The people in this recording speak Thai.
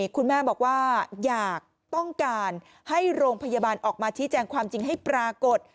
คุณแม่บอกว่าอยากต้องการให้โรงพยาบาลออกมาชี้แจงความจริงให้ปรากฏ